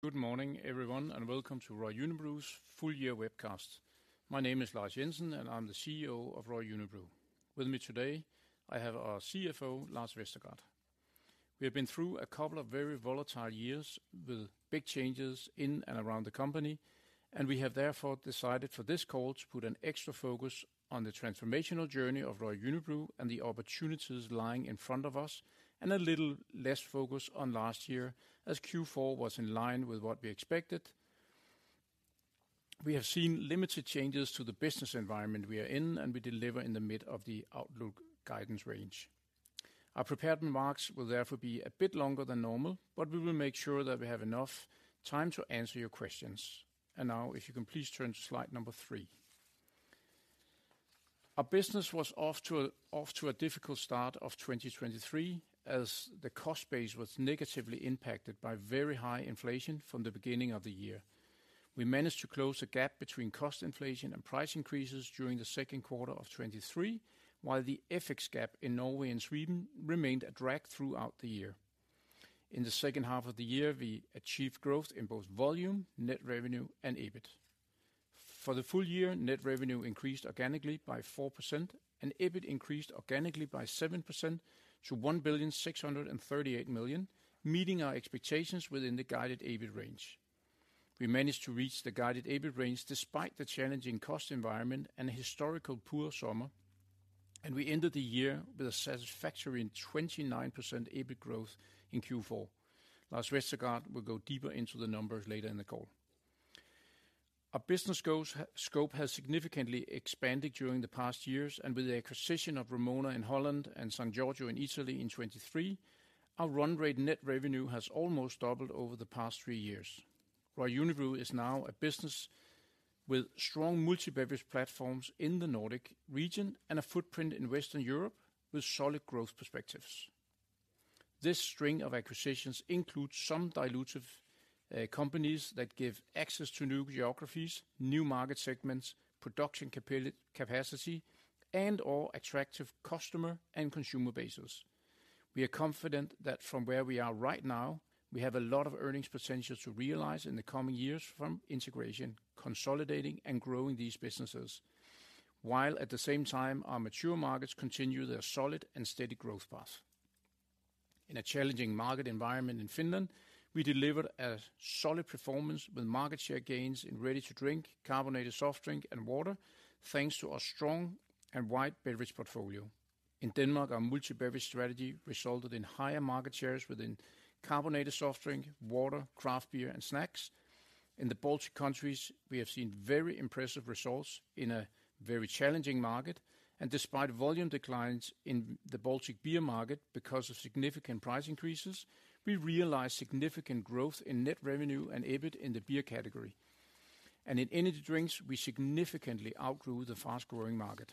Good morning, everyone, and welcome to Royal Unibrew's full-year webcast. My name is Lars Jensen, and I'm the CEO of Royal Unibrew. With me today, I have our CFO, Lars Vestergaard. We have been through a couple of very volatile years with big changes in and around the company, and we have therefore decided for this call to put an extra focus on the transformational journey of Royal Unibrew and the opportunities lying in front of us, and a little less focus on last year as Q4 was in line with what we expected. We have seen limited changes to the business environment we are in, and we deliver in the mid of the Outlook guidance range. Our prepared remarks will therefore be a bit longer than normal, but we will make sure that we have enough time to answer your questions. Now, if you can please turn to Slide 3. Our business was off to a difficult start of 2023 as the cost base was negatively impacted by very high inflation from the beginning of the year. We managed to close a gap between cost inflation and price increases during the second quarter of 2023, while the FX gap in Norway and Sweden remained a drag throughout the year. In the second half of the year, we achieved growth in both volume, net revenue, and EBIT. For the full year, net revenue increased organically by 4%, and EBIT increased organically by 7% to 1,638,000,000, meeting our expectations within the guided EBIT range. We managed to reach the guided EBIT range despite the challenging cost environment and a historically poor summer, and we ended the year with a satisfactory 29% EBIT growth in Q4. Lars Vestergaard will go deeper into the numbers later in the call. Our business scope has significantly expanded during the past years, and with the acquisition of Vrumona in Holland and San Giorgio in Italy in 2023, our run rate net revenue has almost doubled over the past three years. Royal Unibrew is now a business with strong multi-beverage platforms in the Nordic region and a footprint in Western Europe with solid growth perspectives. This string of acquisitions includes some dilutive companies that give access to new geographies, new market segments, production capacity, and/or attractive customer and consumer bases. We are confident that from where we are right now, we have a lot of earnings potential to realize in the coming years from integrating, consolidating, and growing these businesses, while at the same time our mature markets continue their solid and steady growth path. In a challenging market environment in Finland, we delivered a solid performance with market share gains in ready-to-drink, carbonated soft drink, and water, thanks to our strong and wide beverage portfolio. In Denmark, our multi-beverage strategy resulted in higher market shares within carbonated soft drink, water, craft beer, and snacks. In the Baltic countries, we have seen very impressive results in a very challenging market, and despite volume declines in the Baltic beer market because of significant price increases, we realized significant growth in net revenue and EBIT in the beer category. And in energy drinks, we significantly outgrew the fast-growing market.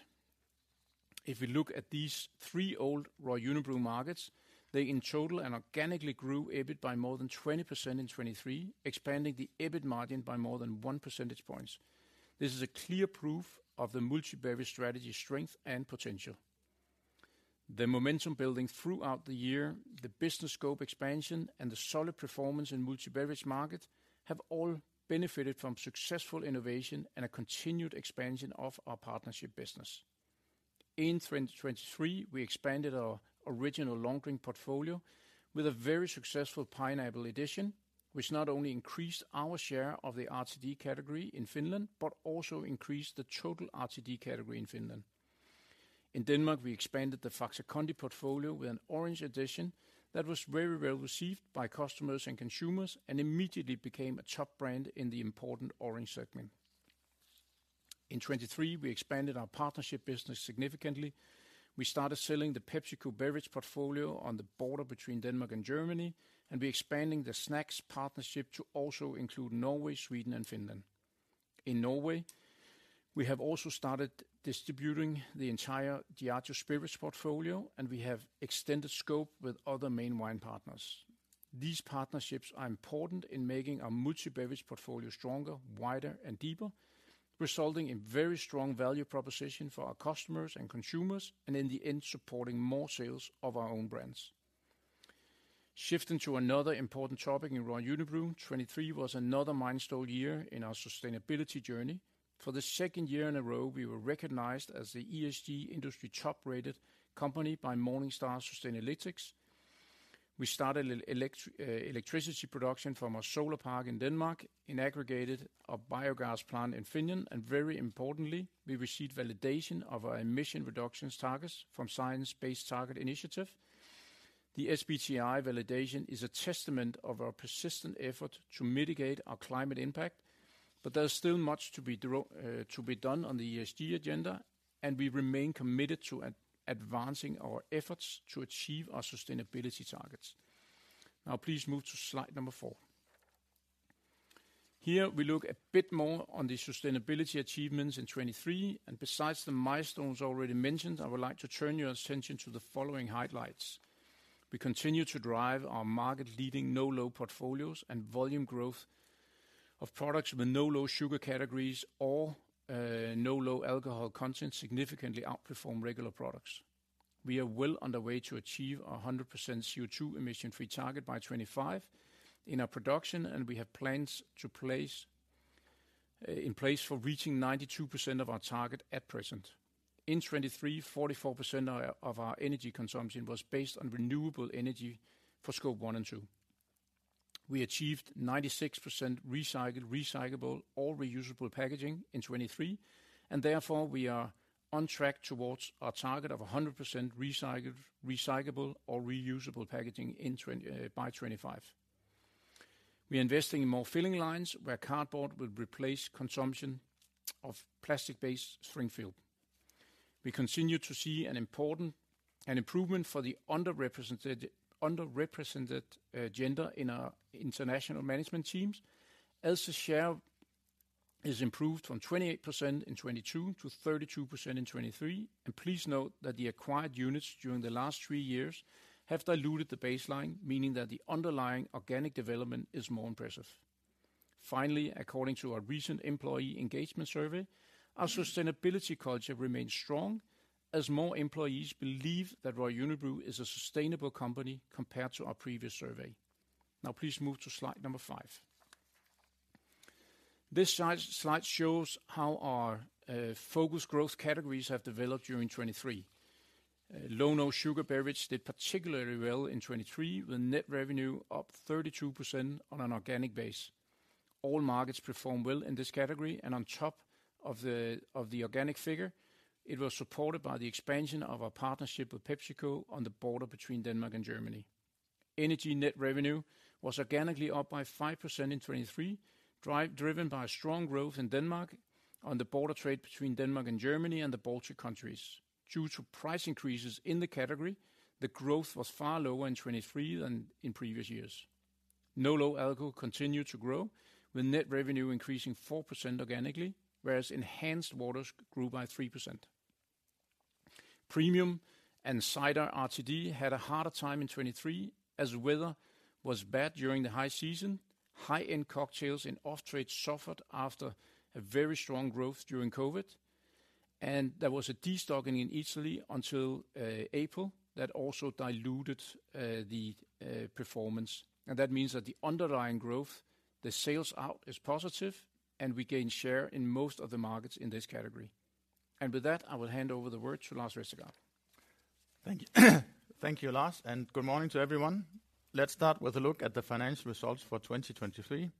If we look at these three old Royal Unibrew markets, they in total and organically grew EBIT by more than 20% in 2023, expanding the EBIT margin by more than one percentage point. This is a clear proof of the multi-beverage strategy's strength and potential. The momentum building throughout the year, the business scope expansion, and the solid performance in the multi-beverage market have all benefited from successful innovation and a continued expansion of our partnership business. In 2023, we expanded our Original Long Drink portfolio with a very successful Pineapple Edition, which not only increased our share of the RTD category in Finland but also increased the total RTD category in Finland. In Denmark, we expanded the Faxe Kondi portfolio with an Orange Edition that was very well received by customers and consumers and immediately became a top brand in the important Orange segment. In 2023, we expanded our partnership business significantly. We started selling the PepsiCo beverage portfolio on the border between Denmark and Germany, and we're expanding the snacks partnership to also include Norway, Sweden, and Finland. In Norway, we have also started distributing the entire Diageo Spirits portfolio, and we have extended scope with other main wine partners. These partnerships are important in making our multi-beverage portfolio stronger, wider, and deeper, resulting in very strong value proposition for our customers and consumers, and in the end supporting more sales of our own brands. Shifting to another important topic in Royal Unibrew, 2023 was another milestone year in our sustainability journey. For the second year in a row, we were recognized as the ESG industry top-rated company by Morningstar Sustainalytics. We started electricity production from our solar park in Denmark, inaugurated a biogas plant in Finland, and very importantly, we received validation of our emission reductions targets from Science Based Targets initiative. The SBTi validation is a testament of our persistent effort to mitigate our climate impact, but there's still much to be done on the ESG agenda, and we remain committed to advancing our efforts to achieve our sustainability targets. Now, please move to slide number 4. Here, we look a bit more on the sustainability achievements in 2023, and besides the milestones already mentioned, I would like to turn your attention to the following highlights. We continue to drive our market-leading no-low portfolios, and volume growth of products with no-low sugar categories or no-low alcohol content significantly outperforms regular products. We are well underway to achieve our 100% CO2 emission-free target by 2025 in our production, and we have plans in place for reaching 92% of our target at present. In 2023, 44% of our energy consumption was based on renewable energy for Scope 1 and 2. We achieved 96% recycled, recyclable, or reusable packaging in 2023, and therefore we are on track towards our target of 100% recycled, recyclable, or reusable packaging by 2025. We are investing in more filling lines where cardboard will replace consumption of plastic-based stretch film. We continue to see an improvement for the underrepresented gender in our international management teams. Glass share has improved from 28% in 2022 to 32% in 2023, and please note that the acquired units during the last three years have diluted the baseline, meaning that the underlying organic development is more impressive. Finally, according to our recent employee engagement survey, our sustainability culture remains strong as more employees believe that Royal Unibrew is a sustainable company compared to our previous survey. Now, please move to slide number five. This slide shows how our focus growth categories have developed during 2023. No-low sugar beverages did particularly well in 2023 with net revenue up 32% on an organic base. All markets performed well in this category, and on top of the organic figure, it was supported by the expansion of our partnership with PepsiCo on the border between Denmark and Germany. Energy net revenue was organically up by 5% in 2023, driven by strong growth in Denmark on the border trade between Denmark and Germany and the Baltic countries. Due to price increases in the category, the growth was far lower in 2023 than in previous years. No-low alcohol continued to grow with net revenue increasing 4% organically, whereas enhanced waters grew by 3%. Premium and Cider RTD had a harder time in 2023 as weather was bad during the high season. High-end cocktails in off-trade suffered after very strong growth during COVID, and there was a destocking in Italy until April that also diluted the performance. That means that the underlying growth, the sales out, is positive, and we gained share in most of the markets in this category. With that, I will hand over the word to Lars Vestergaard. Thank you. Thank you, Lars, and good morning to everyone. Let's start with a look at the financial results for 2023.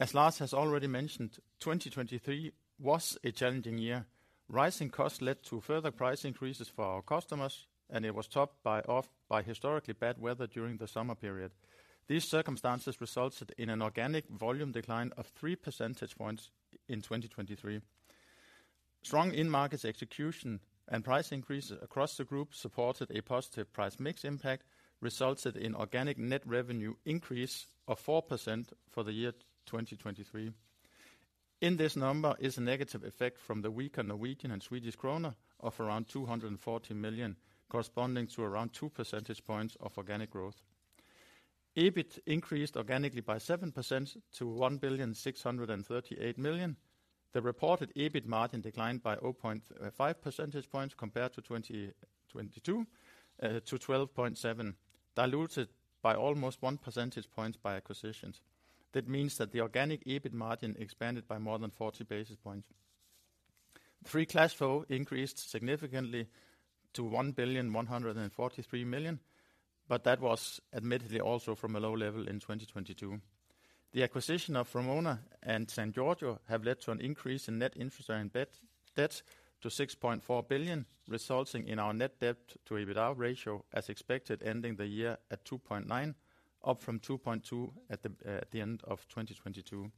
As Lars has already mentioned, 2023 was a challenging year. Rising costs led to further price increases for our customers, and it was topped by historically bad weather during the summer period. These circumstances resulted in an organic volume decline of 3 percentage points in 2023. Strong in-market execution and price increases across the group supported a positive price mix impact, resulting in organic net revenue increase of 4% for the year 2023. In this number is a negative effect from the weaker Norwegian and Swedish krone of around 240 million, corresponding to around 2 percentage points of organic growth. EBIT increased organically by 7% to 1,638 million. The reported EBIT margin declined by 0.5 percentage points compared to 2022 to 12.7%, diluted by almost 1 percentage point by acquisitions. That means that the organic EBIT margin expanded by more than 40 basis points. Free cash flow increased significantly to 1.143 billion, but that was admittedly also from a low level in 2022. The acquisition of Vrumona and San Giorgio have led to an increase in net interest rate and debt to 6.4 billion, resulting in our net debt-to-EBITDA ratio as expected ending the year at 2.9, up from 2.2 at the end of 2022.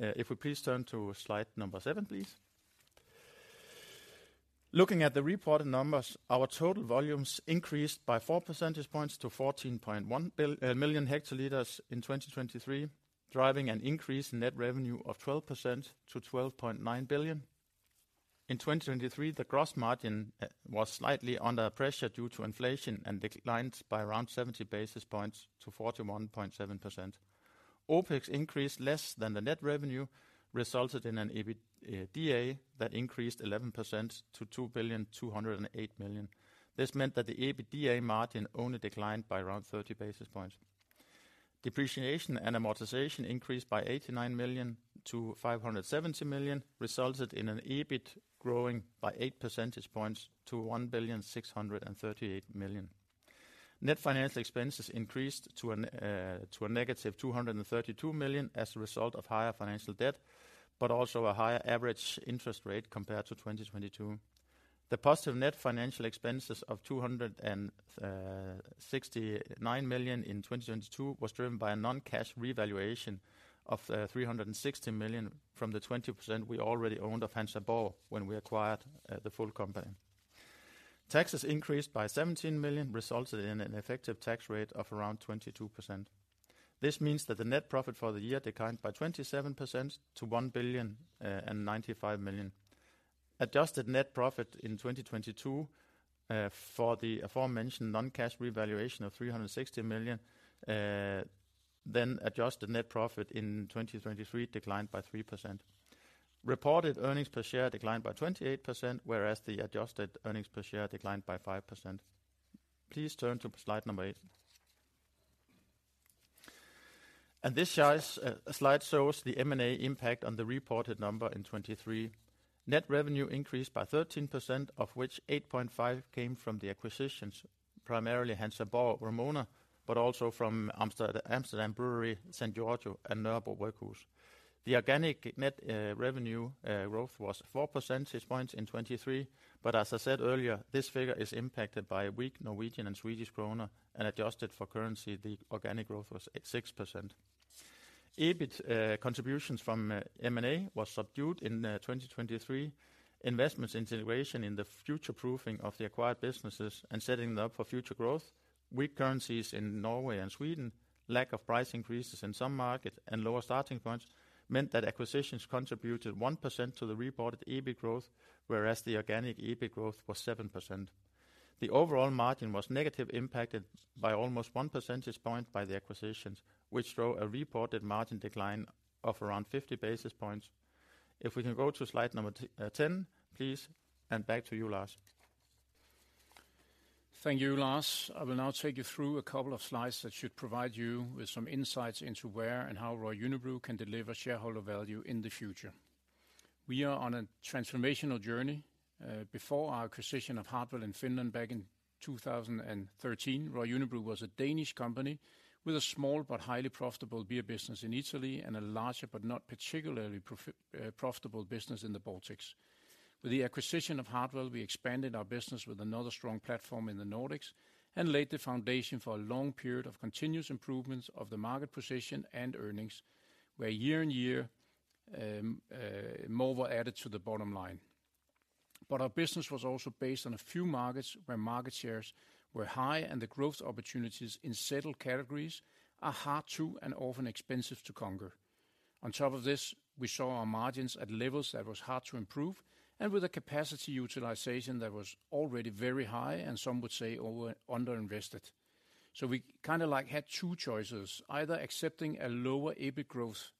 If we please turn to slide number 7, please. Looking at the reported numbers, our total volumes increased by 4 percentage points to 14.1 million hectoliters in 2023, driving an increase in net revenue of 12% to 12.9 billion. In 2023, the gross margin was slightly under pressure due to inflation and declined by around 70 basis points to 41.7%. OPEX increased less than the net revenue, resulting in an EBITDA that increased 11% to 2.208 billion. This meant that the EBITDA margin only declined by around 30 basis points. Depreciation and amortization increased by 89 million to 570 million, resulting in an EBIT growing by eight percentage points to 1,638,000,000. Net financial expenses increased to a negative 232 million as a result of higher financial debt, but also a higher average interest rate compared to 2022. The positive net financial expenses of 269 million in 2022 were driven by a non-cash revaluation of 360 million from the 20% we already owned of Hansa Borg when we acquired the full company. Taxes increased by 17 million, resulting in an effective tax rate of around 22%. This means that the net profit for the year declined by 27% to 1,095,000,000. Adjusted net profit in 2022 for the aforementioned non-cash revaluation of 360 million, then adjusted net profit in 2023 declined by 3%. Reported earnings per share declined by 28%, whereas the adjusted earnings per share declined by 5%. Please turn to slide number 8. This slide shows the M&A impact on the reported number in 2023. Net revenue increased by 13%, of which 8.5% came from the acquisitions, primarily Hansa Borg Vrumona, but also from Amsterdam Brewery, San Giorgio, and Nørrebro Bryghus. The organic net revenue growth was 4 percentage points in 2023, but as I said earlier, this figure is impacted by weak Norwegian and Swedish krone, and adjusted for currency, the organic growth was 6%. EBIT contributions from M&A were subdued in 2023. Investments in integration in the future-proofing of the acquired businesses and setting them up for future growth, weak currencies in Norway and Sweden, lack of price increases in some markets, and lower starting points meant that acquisitions contributed 1% to the reported EBIT growth, whereas the organic EBIT growth was 7%. The overall margin was negatively impacted by almost 1 percentage point by the acquisitions, which drove a reported margin decline of around 50 basis points. If we can go to slide number 10, please, and back to you, Lars. Thank you, Lars. I will now take you through a couple of slides that should provide you with some insights into where and how Royal Unibrew can deliver shareholder value in the future. We are on a transformational journey. Before our acquisition of Hartwall in Finland back in 2013, Royal Unibrew was a Danish company with a small but highly profitable beer business in Italy and a larger but not particularly profitable business in the Baltics. With the acquisition of Hartwall, we expanded our business with another strong platform in the Nordics and laid the foundation for a long period of continuous improvements of the market position and earnings, where year-on-year more were added to the bottom line. But our business was also based on a few markets where market shares were high and the growth opportunities in settled categories are hard to and often expensive to conquer. On top of this, we saw our margins at levels that were hard to improve and with a capacity utilization that was already very high and some would say underinvested. We kind of had two choices: either accepting a lower EBIT growth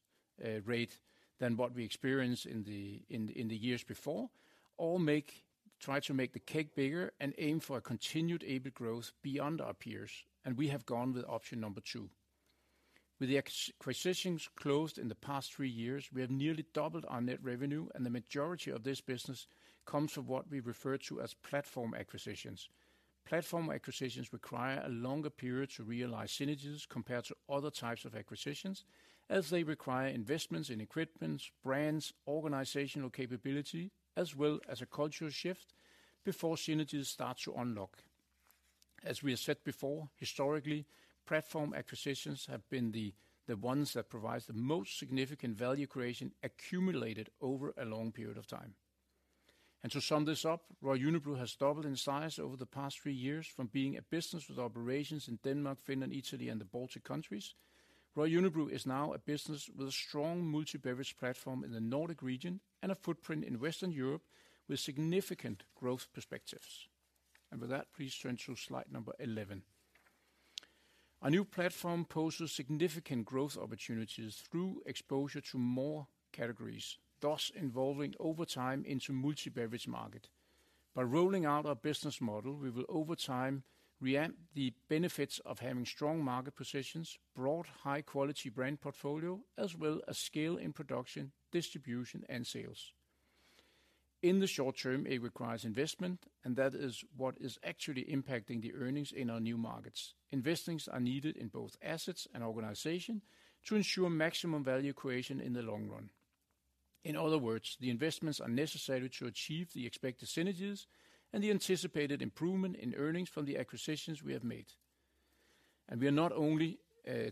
rate than what we experienced in the years before, or try to make the cake bigger and aim for continued EBIT growth beyond our peers, and we have gone with option number 2. With the acquisitions closed in the past three years, we have nearly doubled our net revenue, and the majority of this business comes from what we refer to as platform acquisitions. Platform acquisitions require a longer period to realize synergies compared to other types of acquisitions, as they require investments in equipment, brands, organizational capability, as well as a cultural shift before synergies start to unlock. As we have said before, historically, platform acquisitions have been the ones that provide the most significant value creation accumulated over a long period of time. To sum this up, Royal Unibrew has doubled in size over the past 3 years from being a business with operations in Denmark, Finland, Italy, and the Baltic countries. Royal Unibrew is now a business with a strong multi-beverage platform in the Nordic region and a footprint in Western Europe with significant growth perspectives. With that, please turn to slide number 11. Our new platform poses significant growth opportunities through exposure to more categories, thus evolving over time into the multi-beverage market. By rolling out our business model, we will over time reap the benefits of having strong market positions, broad high-quality brand portfolio, as well as scale in production, distribution, and sales. In the short term, it requires investment, and that is what is actually impacting the earnings in our new markets. Investments are needed in both assets and organization to ensure maximum value creation in the long run. In other words, the investments are necessary to achieve the expected synergies and the anticipated improvement in earnings from the acquisitions we have made. We are not only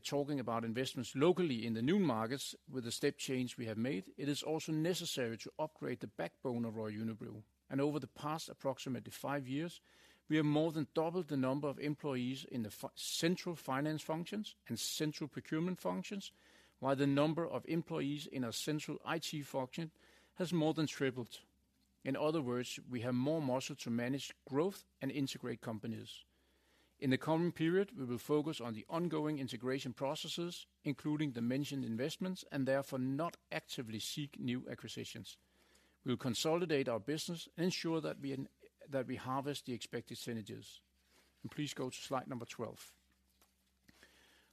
talking about investments locally in the new markets with the step change we have made. It is also necessary to upgrade the backbone of Royal Unibrew. Over the past approximately five years, we have more than doubled the number of employees in the central finance functions and central procurement functions, while the number of employees in our central IT function has more than tripled. In other words, we have more muscle to manage growth and integrate companies. In the coming period, we will focus on the ongoing integration processes, including the mentioned investments, and therefore not actively seek new acquisitions. We will consolidate our business and ensure that we harvest the expected synergies. Please go to slide number 12.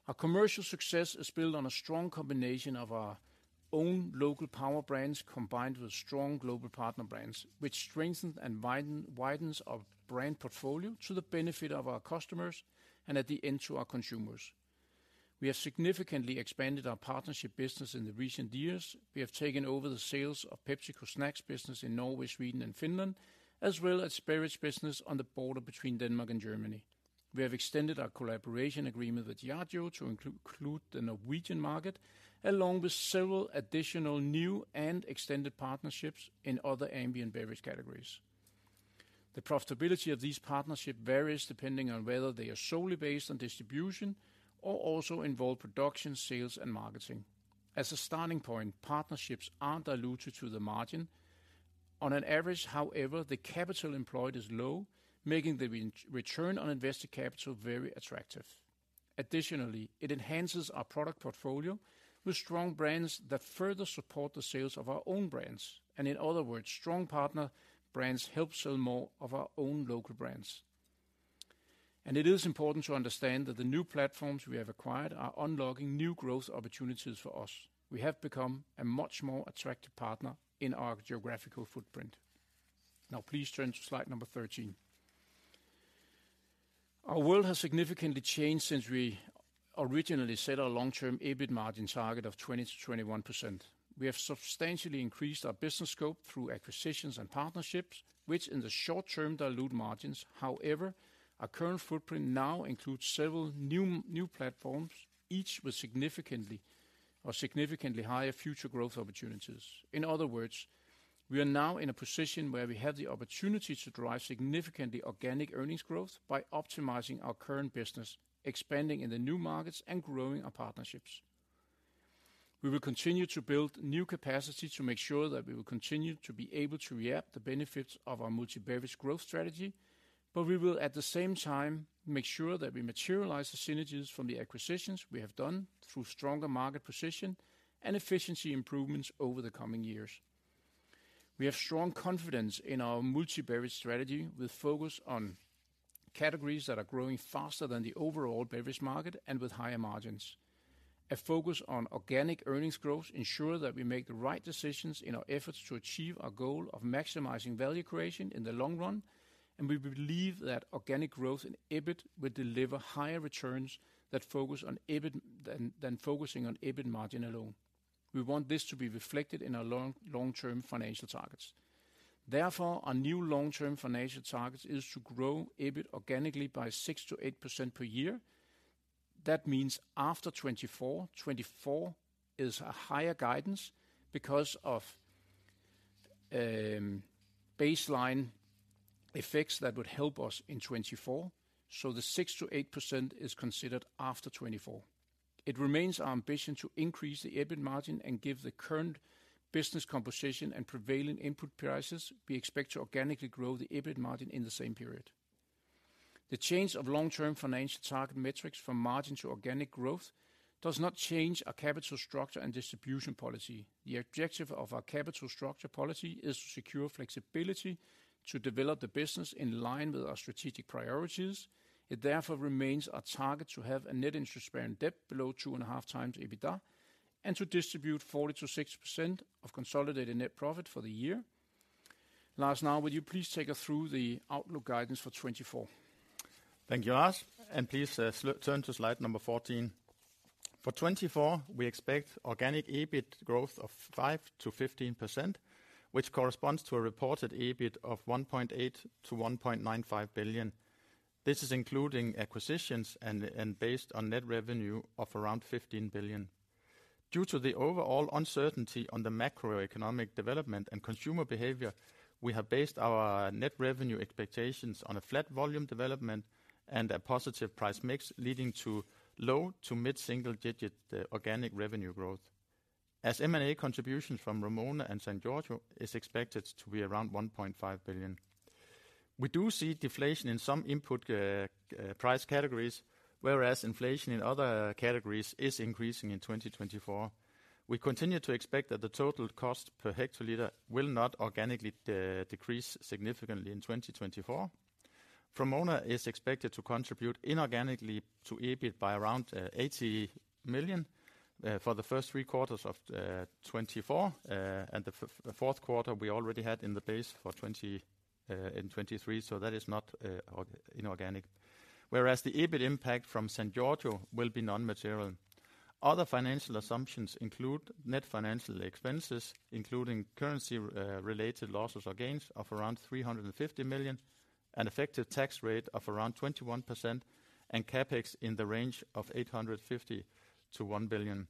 Our commercial success is built on a strong combination of our own local power brands combined with strong global partner brands, which strengthens and widens our brand portfolio to the benefit of our customers and, at the end, to our consumers. We have significantly expanded our partnership business in the recent years. We have taken over the sales of PepsiCo snacks business in Norway, Sweden, and Finland, as well as beverage business on the border between Denmark and Germany. We have extended our collaboration agreement with Diageo to include the Norwegian market, along with several additional new and extended partnerships in other ambient beverage categories. The profitability of these partnerships varies depending on whether they are solely based on distribution or also involve production, sales, and marketing. As a starting point, partnerships aren't diluted to the margin. On an average, however, the capital employed is low, making the return on invested capital very attractive. Additionally, it enhances our product portfolio with strong brands that further support the sales of our own brands. In other words, strong partner brands help sell more of our own local brands. It is important to understand that the new platforms we have acquired are unlocking new growth opportunities for us. We have become a much more attractive partner in our geographical footprint. Now, please turn to slide number 13. Our world has significantly changed since we originally set our long-term EBIT margin target of 20%-21%. We have substantially increased our business scope through acquisitions and partnerships, which in the short term dilute margins. However, our current footprint now includes several new platforms, each with significantly higher future growth opportunities. In other words, we are now in a position where we have the opportunity to drive significantly organic earnings growth by optimizing our current business, expanding in the new markets, and growing our partnerships. We will continue to build new capacity to make sure that we will continue to be able to reap the benefits of our multi-beverage growth strategy, but we will, at the same time, make sure that we materialize the synergies from the acquisitions we have done through stronger market position and efficiency improvements over the coming years. We have strong confidence in our multi-beverage strategy with focus on categories that are growing faster than the overall beverage market and with higher margins. A focus on organic earnings growth ensures that we make the right decisions in our efforts to achieve our goal of maximizing value creation in the long run, and we believe that organic growth and EBIT will deliver higher returns than focusing on EBIT margin alone. We want this to be reflected in our long-term financial targets. Therefore, our new long-term financial target is to grow EBIT organically by 6%-8% per year. That means after 2024, 2024 is a higher guidance because of baseline effects that would help us in 2024, so the 6%-8% is considered after 2024. It remains our ambition to increase the EBIT margin and give the current business composition and prevailing input prices we expect to organically grow the EBIT margin in the same period. The change of long-term financial target metrics from margin to organic growth does not change our capital structure and distribution policy. The objective of our capital structure policy is to secure flexibility to develop the business in line with our strategic priorities. It therefore remains our target to have a net interest-bearing debt below 2.5 times EBITDA and to distribute 40%-60% of consolidated net profit for the year. Lars, now, will you please take us through the outlook guidance for 2024? Thank you, Lars. Please turn to slide number 14. For 2024, we expect organic EBIT growth of 5%-15%, which corresponds to a reported EBIT of 1.8 billion-1.95 billion. This is including acquisitions and based on net revenue of around 15 billion. Due to the overall uncertainty on the macroeconomic development and consumer behavior, we have based our net revenue expectations on a flat volume development and a positive price mix leading to low to mid-single-digit organic revenue growth, as M&A contributions from Vrumona and San Giorgio are expected to be around 1.5 billion. We do see deflation in some input price categories, whereas inflation in other categories is increasing in 2024. We continue to expect that the total cost per hectoliter will not organically decrease significantly in 2024. Vrumona is expected to contribute inorganically to EBIT by around 80 million for the first three quarters of 2024, and the fourth quarter we already had in the base in 2023, so that is not inorganic. Whereas the EBIT impact from San Giorgio will be non-material. Other financial assumptions include net financial expenses, including currency-related losses or gains of around 350 million, an effective tax rate of around 21%, and CapEx in the range of 850 million-1 billion.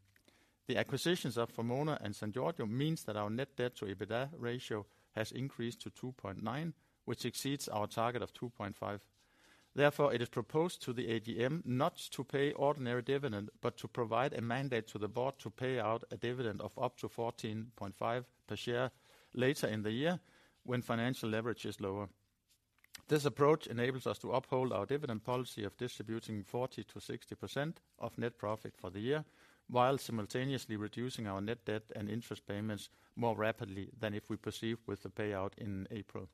The acquisitions of Vrumona and San Giorgio mean that our net debt-to-EBITDA ratio has increased to 2.9, which exceeds our target of 2.5. Therefore, it is proposed to the AGM not to pay ordinary dividend, but to provide a mandate to the board to pay out a dividend of up to 14.5 per share later in the year when financial leverage is lower. This approach enables us to uphold our dividend policy of distributing 40%-60% of net profit for the year, while simultaneously reducing our net debt and interest payments more rapidly than if we proceed with the payout in April.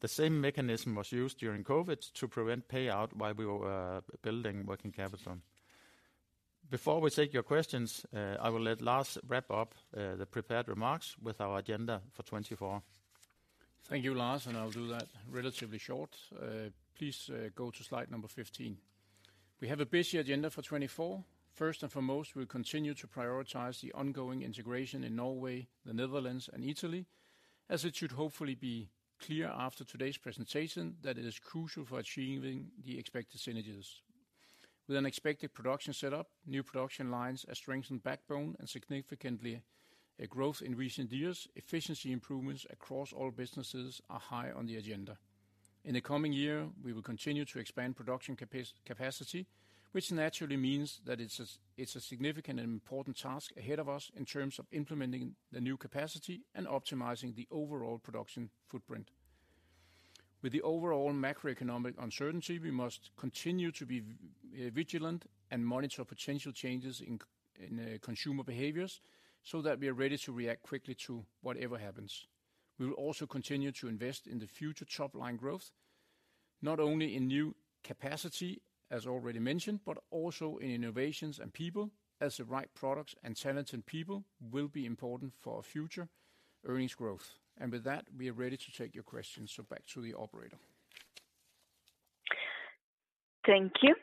The same mechanism was used during COVID to prevent payout while we were building working capital. Before we take your questions, I will let Lars wrap up the prepared remarks with our agenda for 2024. Thank you, Lars, and I will do that relatively short. Please go to slide number 15. We have a busy agenda for 2024. First and foremost, we will continue to prioritize the ongoing integration in Norway, the Netherlands, and Italy, as it should hopefully be clear after today's presentation that it is crucial for achieving the expected synergies. With an expected production setup, new production lines, a strengthened backbone, and significant growth in recent years, efficiency improvements across all businesses are high on the agenda. In the coming year, we will continue to expand production capacity, which naturally means that it's a significant and important task ahead of us in terms of implementing the new capacity and optimizing the overall production footprint. With the overall macroeconomic uncertainty, we must continue to be vigilant and monitor potential changes in consumer behaviors so that we are ready to react quickly to whatever happens. We will also continue to invest in the future top-line growth, not only in new capacity, as already mentioned, but also in innovations and people, as the right products and talented people will be important for our future earnings growth. With that, we are ready to take your questions. Back to the operator. Thank you.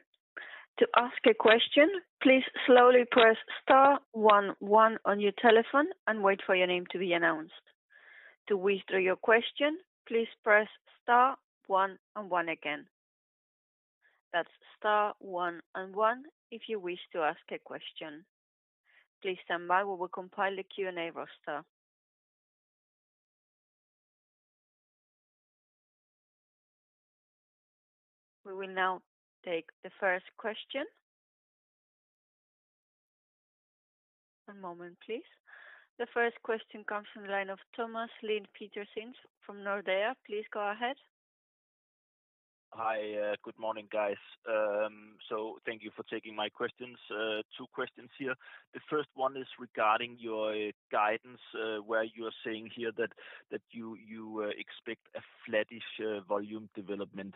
To ask a question, please slowly press star 1 1 on your telephone and wait for your name to be announced. To whisper your question, please press star 1 and 1 again. That's star 1 and 1 if you wish to ask a question. Please stand by while we compile the Q&A roster. We will now take the first question. One moment, please. The first question comes from the line of Thomas Lind Petersen from Nordea. Please go ahead. Hi. Good morning, guys. So thank you for taking my questions. Two questions here. The first one is regarding your guidance, where you are saying here that you expect a flat-ish volume development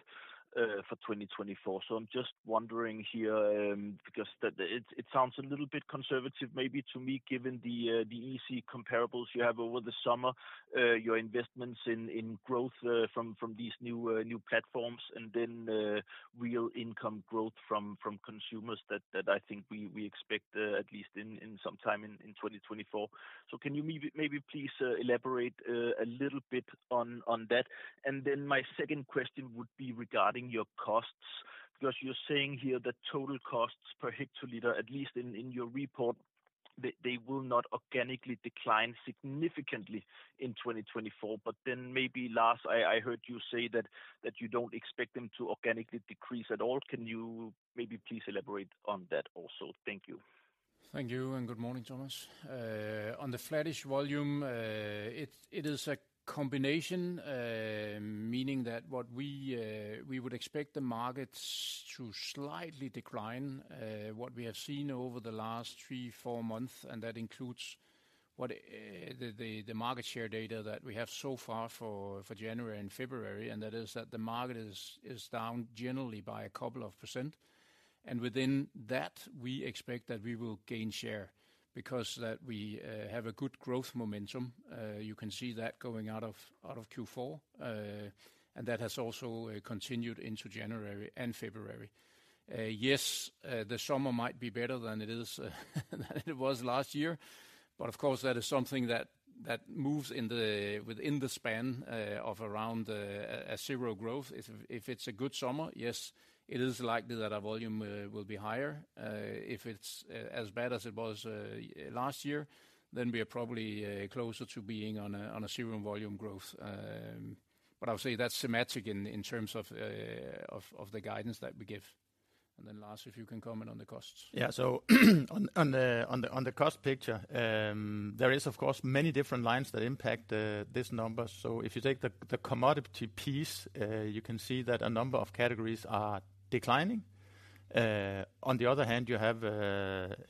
for 2024. So I'm just wondering here because it sounds a little bit conservative maybe to me given the EC comparables you have over the summer, your investments in growth from these new platforms, and then real income growth from consumers that I think we expect at least in some time in 2024. So can you maybe please elaborate a little bit on that? And then my second question would be regarding your costs because you're saying here that total costs per hectoliter, at least in your report, they will not organically decline significantly in 2024. But then maybe, Lars, I heard you say that you don't expect them to organically decrease at all. Can you maybe please elaborate on that also? Thank you. Thank you and good morning, Thomas. On the flat-ish volume, it is a combination, meaning that what we would expect the markets to slightly decline, what we have seen over the last 3-4 months, and that includes the market share data that we have so far for January and February, and that is that the market is down generally by a couple of %. And within that, we expect that we will gain share because we have a good growth momentum. You can see that going out of Q4, and that has also continued into January and February. Yes, the summer might be better than it was last year, but of course, that is something that moves within the span of around a 0 growth. If it's a good summer, yes, it is likely that our volume will be higher. If it's as bad as it was last year, then we are probably closer to being on a zero volume growth. But I would say that's symmetric in terms of the guidance that we give. And then, Lars, if you can comment on the costs. Yeah. So on the cost picture, there is, of course, many different lines that impact these numbers. So if you take the commodity piece, you can see that a number of categories are declining. On the other hand, you have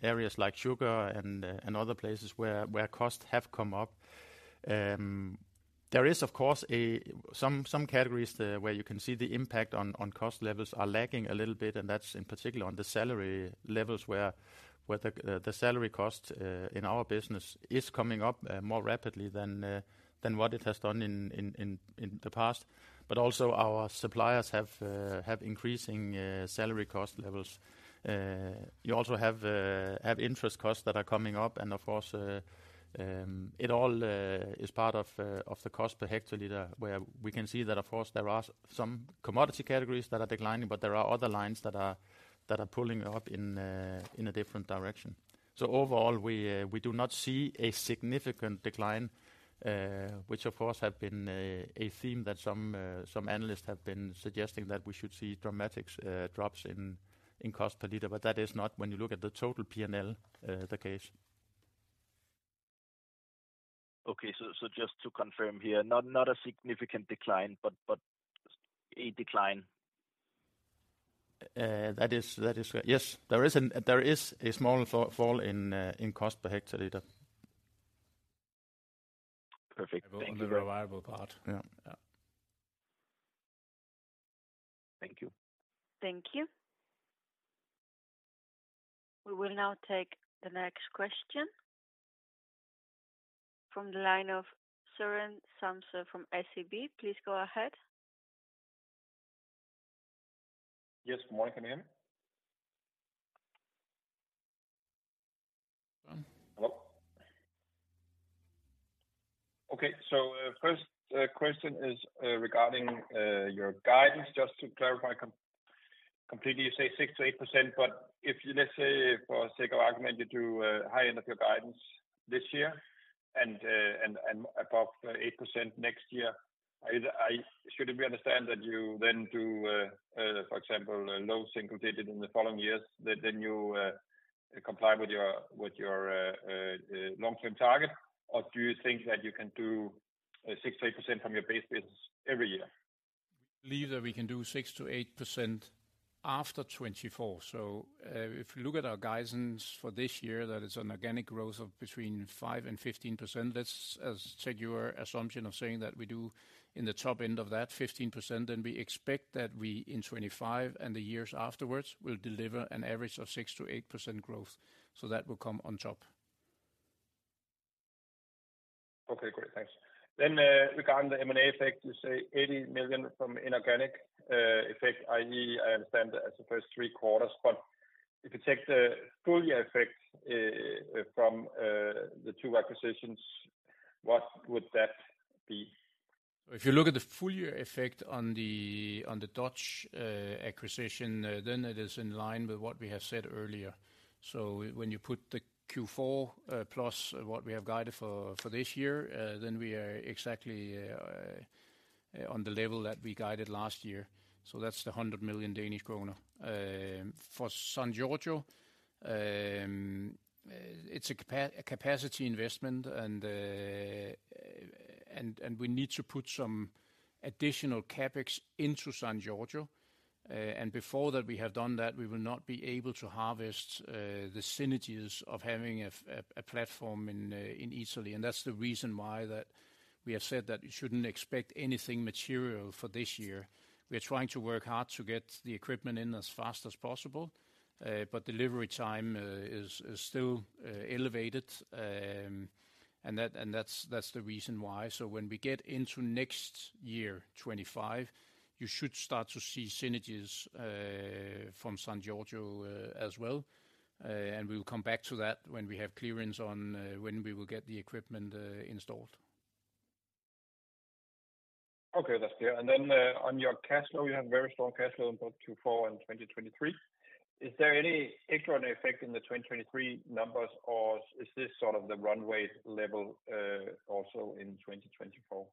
areas like sugar and other places where costs have come up. There is, of course, some categories where you can see the impact on cost levels are lagging a little bit, and that's in particular on the salary levels where the salary cost in our business is coming up more rapidly than what it has done in the past. But also, our suppliers have increasing salary cost levels. You also have interest costs that are coming up, and of course, it all is part of the cost per hectoliter, where we can see that, of course, there are some commodity categories that are declining, but there are other lines that are pulling up in a different direction. So overall, we do not see a significant decline, which, of course, has been a theme that some analysts have been suggesting that we should see dramatic drops in cost per liter, but that is not, when you look at the total P&L, the case. Okay. So just to confirm here, not a significant decline, but a decline. Yes, there is a small fall in cost per hectoliter. Perfect. On the reliable part. Thank you. Thank you. We will now take the next question from the line of Søren Samsøe from SEB. Please go ahead. Yes. Good morning. Can you hear me? Hello? Okay. So first question is regarding your guidance. Just to clarify completely, you say 6%-8%, but if you, let's say, for sake of argument, you do high end of your guidance this year and above 8% next year, shouldn't we understand that you then do, for example, low single-digit in the following years, then you comply with your long-term target, or do you think that you can do 6%-8% from your base business every year? We believe that we can do 6%-8% after 2024. So if you look at our guidance for this year, that it's an organic growth of between 5% and 15%, let's check your assumption of saying that we do in the top end of that, 15%, then we expect that we in 2025 and the years afterwards will deliver an average of 6%-8% growth. So that will come on top. Okay. Great. Thanks. Then regarding the M&A effect, you say 80 million from inorganic effect, i.e., I understand as the first three quarters, but if you take the full year effect from the two acquisitions, what would that be? So if you look at the full year effect on the Dutch acquisition, then it is in line with what we have said earlier. So when you put the Q4 plus what we have guided for this year, then we are exactly on the level that we guided last year. So that's the 100 million Danish kroner. For San Giorgio, it's a capacity investment, and we need to put some additional CapEx into San Giorgio. And before that, we have done that, we will not be able to harvest the synergies of having a platform in Italy. And that's the reason why we have said that you shouldn't expect anything material for this year. We are trying to work hard to get the equipment in as fast as possible, but delivery time is still elevated, and that's the reason why. When we get into next year, 2025, you should start to see synergies from San Giorgio as well. We will come back to that when we have clearance on when we will get the equipment installed. Okay. That's clear. And then on your cash flow, you have very strong cash flow in both Q4 and 2023. Is there any extraordinary effect in the 2023 numbers, or is this sort of the runway level also in 2024? Yeah.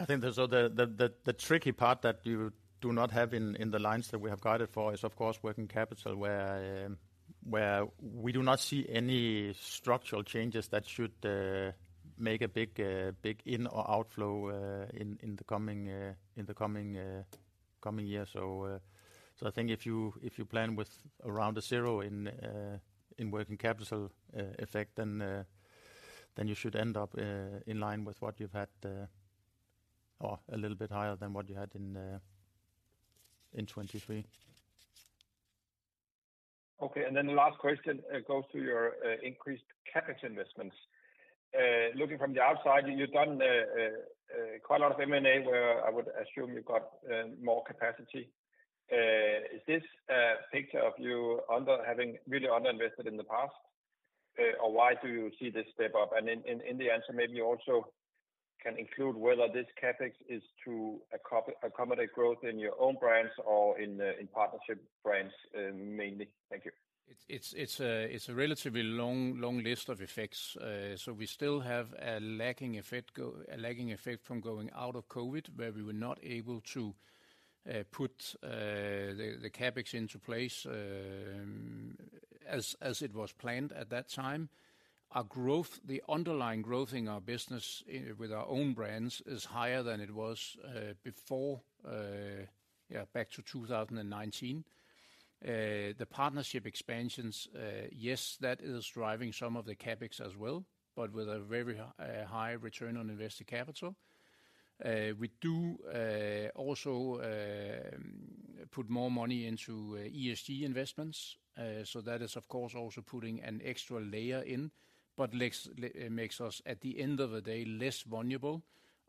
I think the tricky part that you do not have in the lines that we have guided for is, of course, working capital, where we do not see any structural changes that should make a big in or outflow in the coming year. So I think if you plan with around a zero in working capital effect, then you should end up in line with what you've had or a little bit higher than what you had in 2023. Okay. And then the last question goes to your increased CapEx investments. Looking from the outside, you've done quite a lot of M&A where I would assume you got more capacity. Is this a picture of you really underinvested in the past, or why do you see this step up? And in the answer, maybe you also can include whether this CapEx is to accommodate growth in your own brands or in partnership brands mainly. Thank you. It's a relatively long list of effects. So we still have a lagging effect from going out of COVID, where we were not able to put the CapEx into place as it was planned at that time. The underlying growth in our business with our own brands is higher than it was before, yeah, back to 2019. The partnership expansions, yes, that is driving some of the CapEx as well, but with a very high return on invested capital. We do also put more money into ESG investments. So that is, of course, also putting an extra layer in, but makes us, at the end of the day, less vulnerable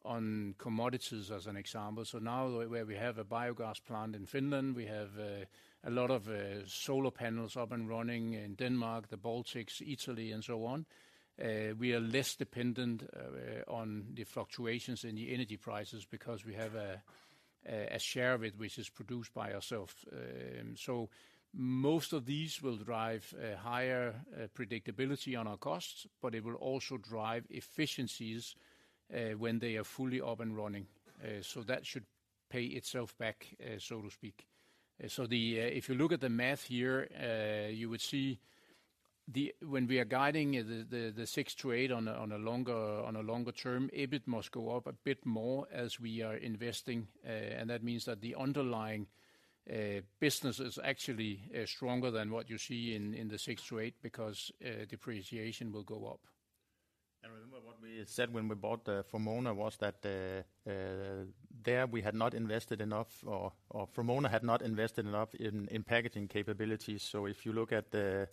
on commodities, as an example. So now where we have a biogas plant in Finland, we have a lot of solar panels up and running in Denmark, the Baltics, Italy, and so on. We are less dependent on the fluctuations in the energy prices because we have a share of it which is produced by ourselves. So most of these will drive higher predictability on our costs, but it will also drive efficiencies when they are fully up and running. So that should pay itself back, so to speak. So if you look at the math here, you would see when we are guiding the 6-8 on a longer term, EBIT must go up a bit more as we are investing. And that means that the underlying business is actually stronger than what you see in the 6-8 because depreciation will go up. Remember what we said when we bought Vrumona was that there we had not invested enough, or Vrumona had not invested enough in packaging capabilities. So if you look at the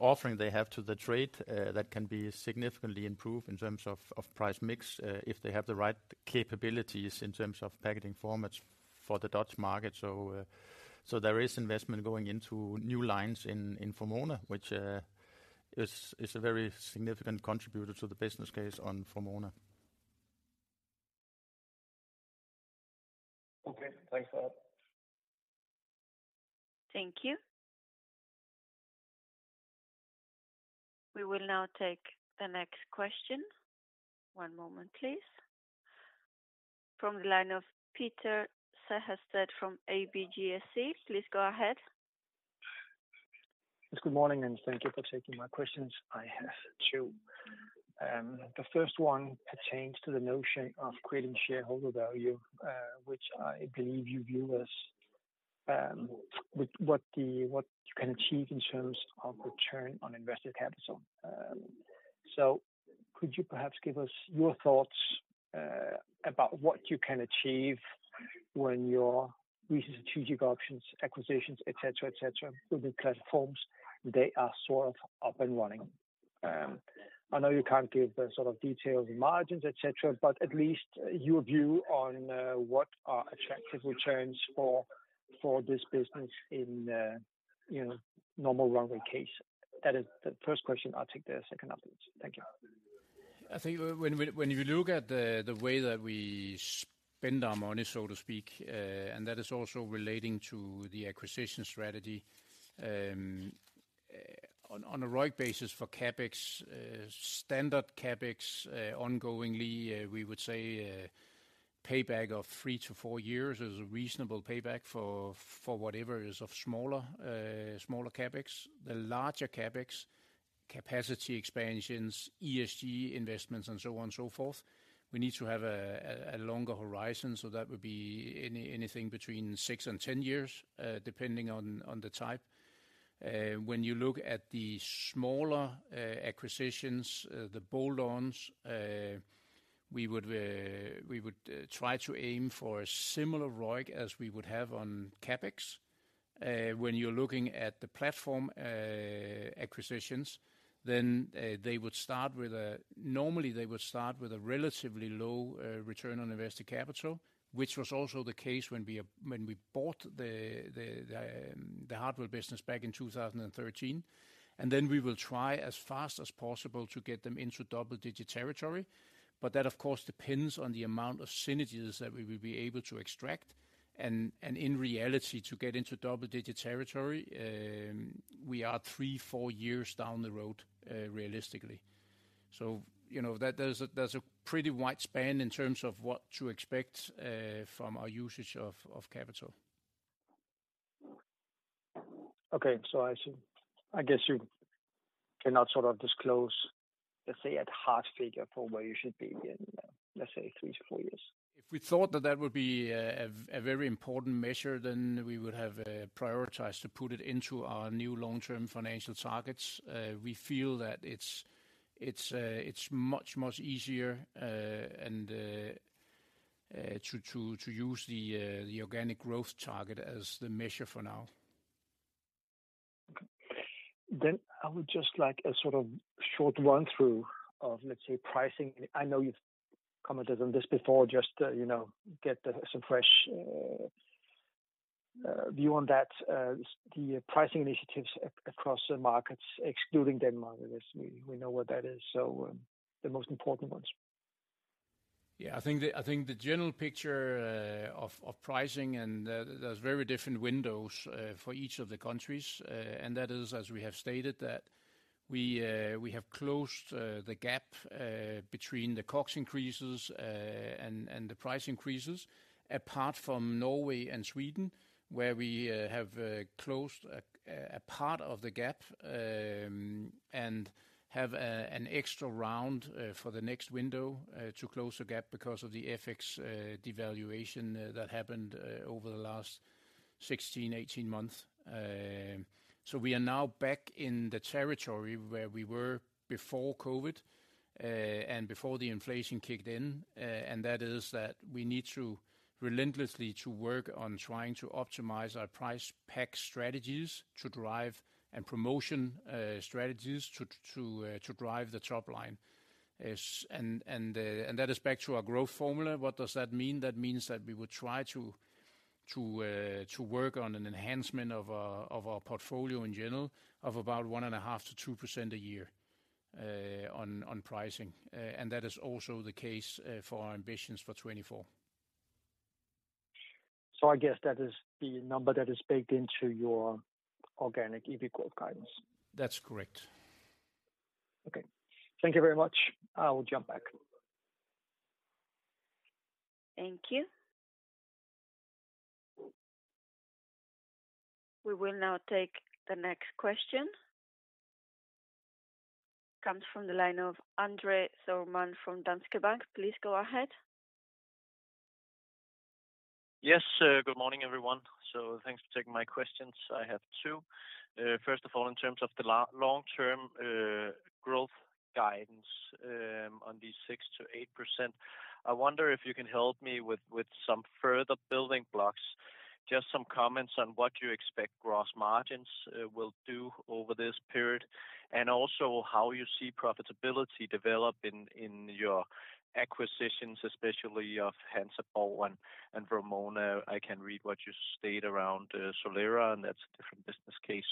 offering they have to the trade, that can be significantly improved in terms of price mix if they have the right capabilities in terms of packaging formats for the Dutch market. So there is investment going into new lines in Vrumona, which is a very significant contributor to the business case on Vrumona. Okay. Thanks for that. Thank you. We will now take the next question. One moment, please. From the line of Peter Sehested from ABGSC, please go ahead. Yes. Good morning, and thank you for taking my questions. I have two. The first one pertains to the notion of creating shareholder value, which I believe you view as what you can achieve in terms of return on invested capital. So could you perhaps give us your thoughts about what you can achieve when your strategic options, acquisitions, etc., etc., with new platforms, they are sort of up and running? I know you can't give the sort of details and margins, etc., but at least your view on what are attractive returns for this business in a normal runway case. That is the first question. I'll take the second afterwards. Thank you. I think when you look at the way that we spend our money, so to speak, and that is also relating to the acquisition strategy, on a ROIC basis for CapEx, standard CapEx ongoingly, we would say payback of 3-4 years is a reasonable payback for whatever is of smaller CapEx. The larger CapEx, capacity expansions, ESG investments, and so on and so forth, we need to have a longer horizon. So that would be anything between 6-10 years, depending on the type. When you look at the smaller acquisitions, the bolt-ons, we would try to aim for a similar ROIC as we would have on CapEx. When you're looking at the platform acquisitions, then they would start with a normally, they would start with a relatively low return on invested capital, which was also the case when we bought the Hartwall business back in 2013. And then we will try as fast as possible to get them into double-digit territory. But that, of course, depends on the amount of synergies that we will be able to extract. And in reality, to get into double-digit territory, we are 3, 4 years down the road, realistically. So there's a pretty wide span in terms of what to expect from our usage of capital. Okay. So I guess you cannot sort of disclose, let's say, a hard figure for where you should be in, let's say, 3-4 years. If we thought that that would be a very important measure, then we would have prioritized to put it into our new long-term financial targets. We feel that it's much, much easier to use the organic growth target as the measure for now. Okay. Then I would just like a sort of short run-through of, let's say, pricing. I know you've commented on this before, just get some fresh view on that, the pricing initiatives across markets, excluding Denmark, I guess. We know what that is, so the most important ones. Yeah. I think the general picture of pricing, and there's very different windows for each of the countries. And that is, as we have stated, that we have closed the gap between the COGS increases and the price increases, apart from Norway and Sweden, where we have closed a part of the gap and have an extra round for the next window to close the gap because of the FX devaluation that happened over the last 16-18 months. So we are now back in the territory where we were before COVID and before the inflation kicked in. And that is that we need relentlessly to work on trying to optimize our price pack strategies to drive and promotion strategies to drive the top line. And that is back to our growth formula. What does that mean? That means that we would try to work on an enhancement of our portfolio in general of about 1.5%-2% a year on pricing. That is also the case for our ambitions for 2024. I guess that is the number that is baked into your organic EBIT growth guidance. That's correct. Okay. Thank you very much. I will jump back. Thank you. We will now take the next question. Comes from the line of André Thormann from Danske Bank. Please go ahead. Yes. Good morning, everyone. So thanks for taking my questions. I have two. First of all, in terms of the long-term growth guidance on these 6%-8%, I wonder if you can help me with some further building blocks, just some comments on what you expect gross margins will do over this period, and also how you see profitability develop in your acquisitions, especially of Hansa Borg and Vrumona. I can read what you stated around Solera, and that's a different business case.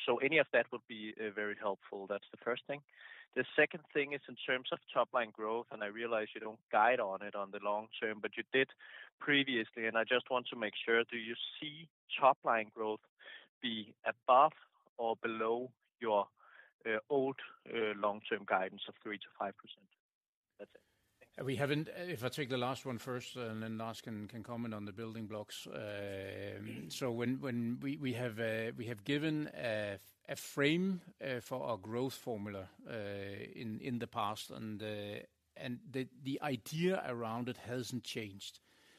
So any of that would be very helpful. That's the first thing. The second thing is in terms of top-line growth, and I realize you don't guide on it on the long term, but you did previously. And I just want to make sure, do you see top-line growth be above or below your old long-term guidance of 3%-5%? That's it. Thank you. If I take the last one first, and then Lars can comment on the building blocks. So we have given a frame for our growth formula in the past, and the idea around it hasn't changed.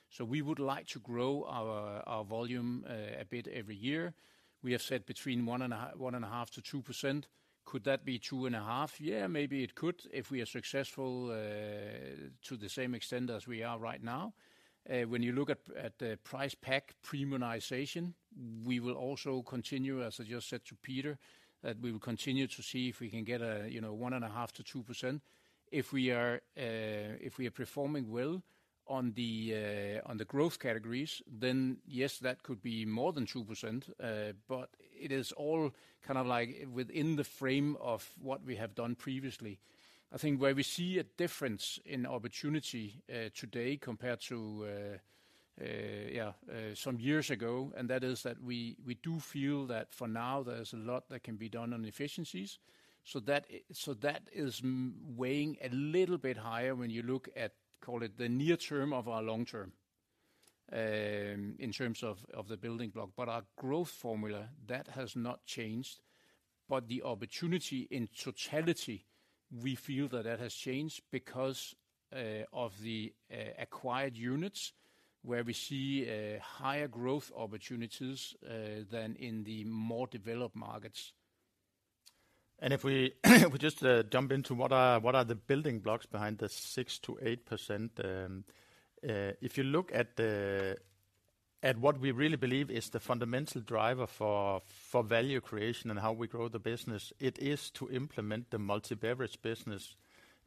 So we would like to grow our volume a bit every year. We have said between 1.5%-2%. Could that be 2.5? Yeah, maybe it could if we are successful to the same extent as we are right now. When you look at the price pack premiumization, we will also continue, as I just said to Peter, that we will continue to see if we can get 1.5%-2%. If we are performing well on the growth categories, then yes, that could be more than 2%, but it is all kind of within the frame of what we have done previously. I think where we see a difference in opportunity today compared to, yeah, some years ago, and that is that we do feel that for now, there's a lot that can be done on efficiencies. So that is weighing a little bit higher when you look at, call it, the near term of our long term in terms of the building block. But our growth formula, that has not changed. But the opportunity in totality, we feel that that has changed because of the acquired units where we see higher growth opportunities than in the more developed markets. If we just jump into what are the building blocks behind the 6%-8%, if you look at what we really believe is the fundamental driver for value creation and how we grow the business, it is to implement the multi-beverage business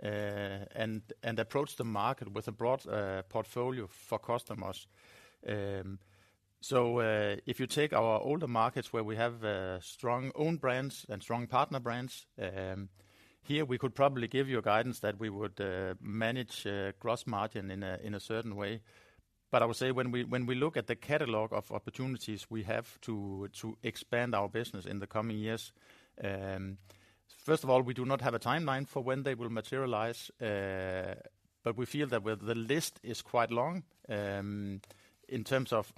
and approach the market with a broad portfolio for customers. So if you take our older markets where we have strong owned brands and strong partner brands, here, we could probably give you a guidance that we would manage gross margin in a certain way. But I would say when we look at the catalog of opportunities we have to expand our business in the coming years, first of all, we do not have a timeline for when they will materialize. But we feel that the list is quite long in terms of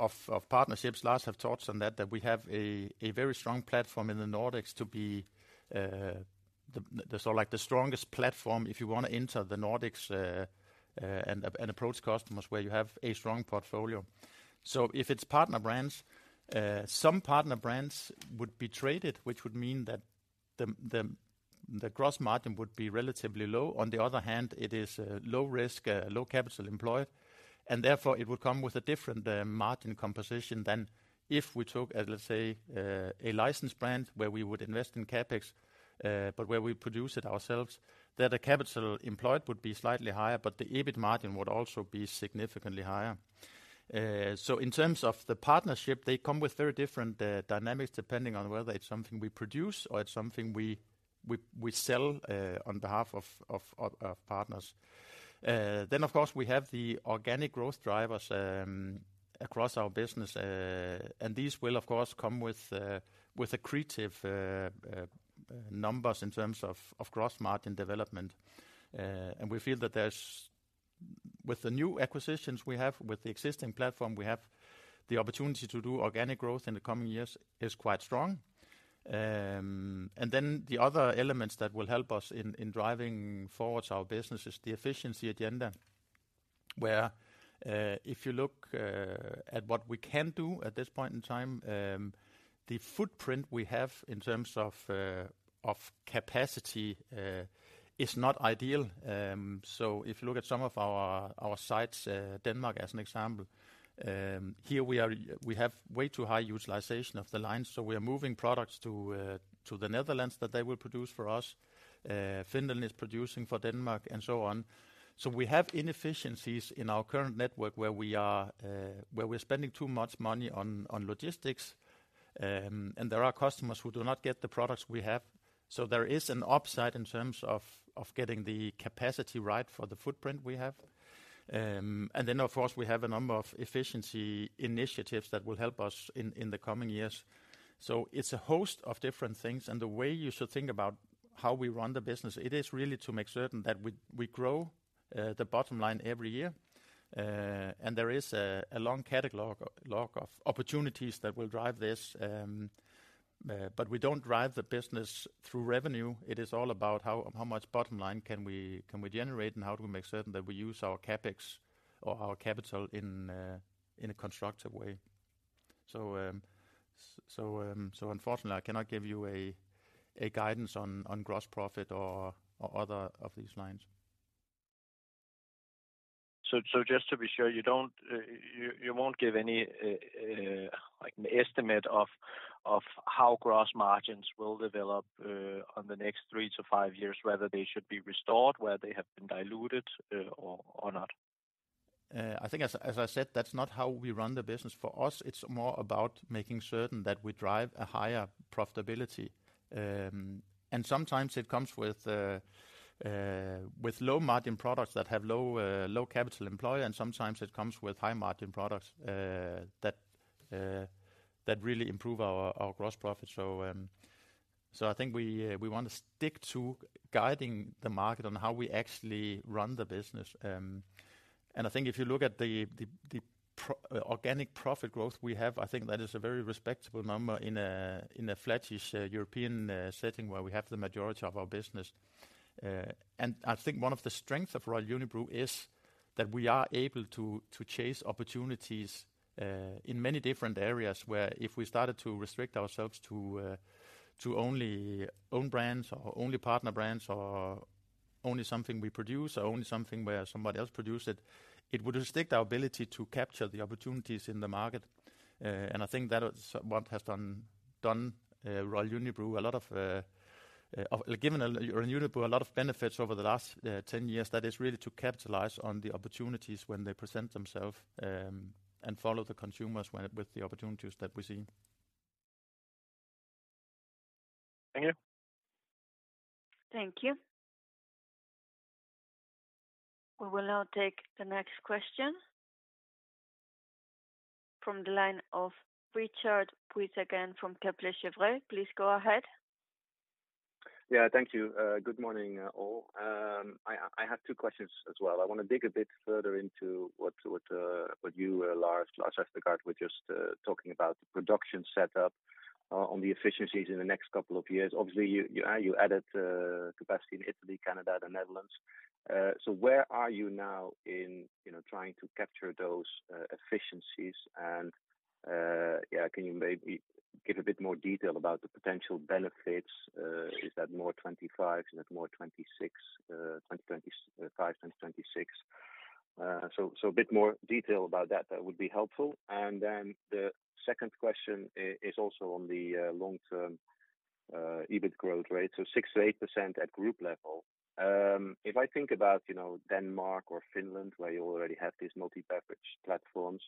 partnerships. Lars has talked on that, that we have a very strong platform in the Nordics to be the strongest platform if you want to enter the Nordics and approach customers where you have a strong portfolio. So if it's partner brands, some partner brands would be traded, which would mean that the gross margin would be relatively low. On the other hand, it is low-risk, low-capital employed, and therefore, it would come with a different margin composition than if we took, let's say, a licensed brand where we would invest in CapEx, but where we produce it ourselves, that the capital employed would be slightly higher, but the EBIT margin would also be significantly higher. So in terms of the partnership, they come with very different dynamics depending on whether it's something we produce or it's something we sell on behalf of partners. Then, of course, we have the organic growth drivers across our business, and these will, of course, come with accretive numbers in terms of gross margin development. And we feel that with the new acquisitions we have, with the existing platform, we have the opportunity to do organic growth in the coming years is quite strong. And then the other elements that will help us in driving forward our business is the efficiency agenda, where if you look at what we can do at this point in time, the footprint we have in terms of capacity is not ideal. So if you look at some of our sites, Denmark as an example, here, we have way too high utilization of the lines. So we are moving products to the Netherlands that they will produce for us. Finland is producing for Denmark, and so on. So we have inefficiencies in our current network where we are spending too much money on logistics, and there are customers who do not get the products we have. So there is an upside in terms of getting the capacity right for the footprint we have. And then, of course, we have a number of efficiency initiatives that will help us in the coming years. So it's a host of different things. And the way you should think about how we run the business, it is really to make certain that we grow the bottom line every year. And there is a long catalog of opportunities that will drive this. But we don't drive the business through revenue. It is all about how much bottom line can we generate, and how do we make certain that we use our CapEx or our capital in a constructive way. Unfortunately, I cannot give you a guidance on gross profit or other of these lines. So just to be sure, you won't give any estimate of how gross margins will develop on the next 3-5 years, whether they should be restored, whether they have been diluted, or not? I think, as I said, that's not how we run the business. For us, it's more about making certain that we drive a higher profitability. And sometimes, it comes with low-margin products that have low capital employed, and sometimes, it comes with high-margin products that really improve our gross profit. So I think we want to stick to guiding the market on how we actually run the business. And I think if you look at the organic profit growth we have, I think that is a very respectable number in a flatish European setting where we have the majority of our business. I think one of the strengths of Royal Unibrew is that we are able to chase opportunities in many different areas where if we started to restrict ourselves to only owned brands or only partner brands or only something we produce or only something where somebody else produces it, it would restrict our ability to capture the opportunities in the market. I think that's what has done Royal Unibrew, given Royal Unibrew a lot of benefits over the last 10 years, that is really to capitalize on the opportunities when they present themselves and follow the consumers with the opportunities that we see. Thank you. Thank you. We will now take the next question from the line of Richard Withagen from Kepler Cheuvreux. Please go ahead. Yeah. Thank you. Good morning, all. I have two questions as well. I want to dig a bit further into what you, Lars, Lars Vestergaard, were just talking about, the production setup on the efficiencies in the next couple of years. Obviously, you added capacity in Italy, Canada, the Netherlands. So where are you now in trying to capture those efficiencies? And yeah, can you maybe give a bit more detail about the potential benefits? Is that more 2025? Is that more 2025, 2026? So a bit more detail about that would be helpful. And then the second question is also on the long-term EBIT growth rate, so 6%-8% at group level. If I think about Denmark or Finland where you already have these multi-beverage platforms,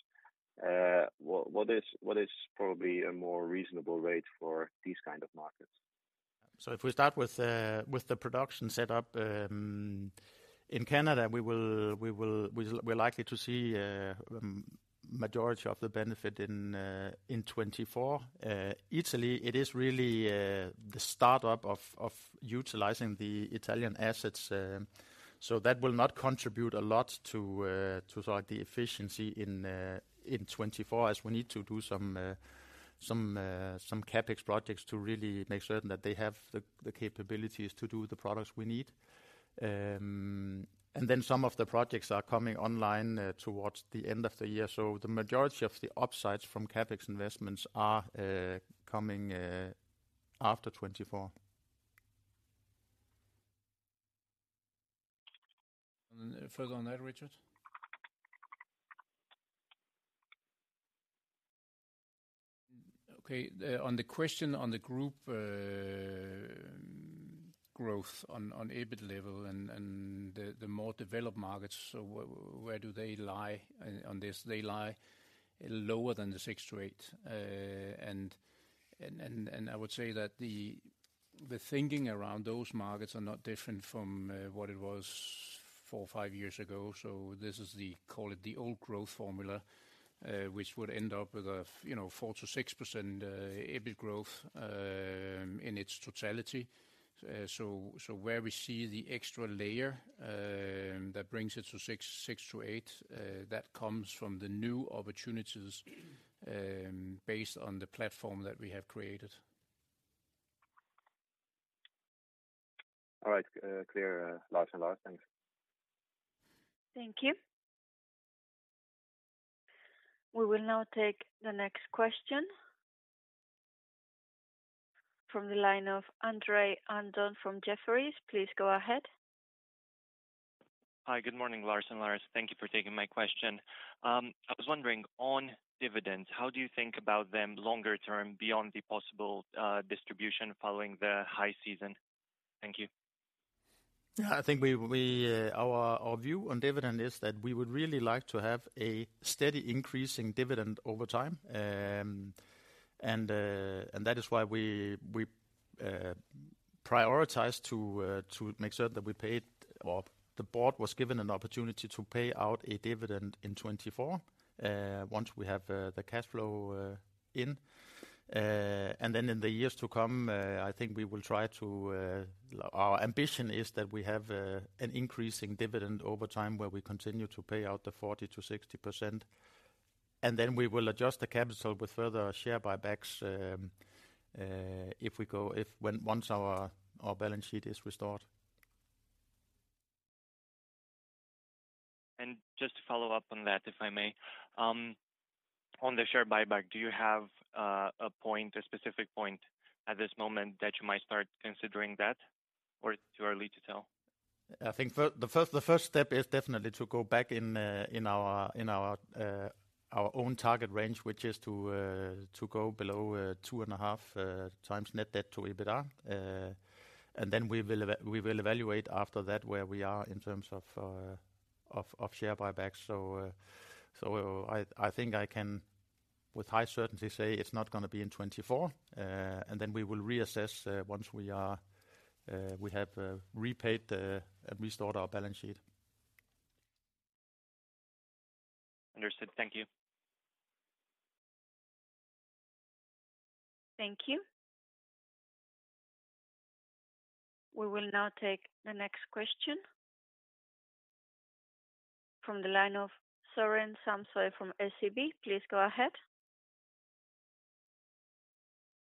what is probably a more reasonable rate for these kinds of markets? If we start with the production setup, in Canada, we're likely to see a majority of the benefit in 2024. Italy, it is really the startup of utilizing the Italian assets. That will not contribute a lot to the efficiency in 2024 as we need to do some CapEx projects to really make certain that they have the capabilities to do the products we need. Then some of the projects are coming online towards the end of the year. The majority of the upsides from CapEx investments are coming after 2024. Further on that, Richard? Okay. On the question on the group growth on EBIT level and the more developed markets, where do they lie on this? They lie lower than the 6-8. And I would say that the thinking around those markets are not different from what it was four or five years ago. So this is, call it, the old growth formula, which would end up with a 4%-6% EBIT growth in its totality. So where we see the extra layer that brings it to 6-8, that comes from the new opportunities based on the platform that we have created. All right. Clear, Lars and Lars. Thanks. Thank you. We will now take the next question from the line of Andrei Andon from Jefferies. Please go ahead. Hi. Good morning, Lars and Lars. Thank you for taking my question. I was wondering, on dividends, how do you think about them longer term beyond the possible distribution following the high season? Thank you. Yeah. I think our view on dividend is that we would really like to have a steady increasing dividend over time. That is why we prioritize to make certain that we paid. Or the board was given an opportunity to pay out a dividend in 2024 once we have the cash flow in. Then in the years to come, I think we will try to our ambition is that we have an increasing dividend over time where we continue to pay out the 40%-60%. Then we will adjust the capital with further share buybacks once our balance sheet is restored. Just to follow up on that, if I may, on the share buyback, do you have a specific point at this moment that you might start considering that, or it's too early to tell? I think the first step is definitely to go back in our own target range, which is to go below 2.5 times net debt to EBITDA. Then we will evaluate after that where we are in terms of share buybacks. So I think I can with high certainty say it's not going to be in 2024. Then we will reassess once we have repaid and restored our balance sheet. Understood. Thank you. Thank you. We will now take the next question from the line of Søren Samsøe from SEB. Please go ahead.